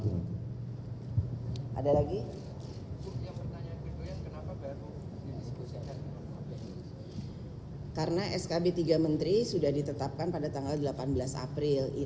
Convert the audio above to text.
karena skb tiga menteri sudah ditetapkan pada tanggal delapan belas april